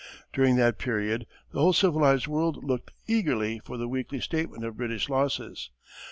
During that period the whole civilized world looked eagerly for the weekly statement of British losses.